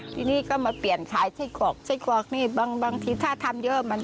ทีนี้ก็มาเปลี่ยนขายไส้กรอกไส้กรอกนี่บางทีถ้าทำเยอะ